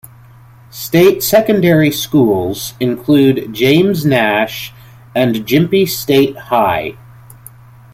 State secondary schools include James Nash and Gympie State High.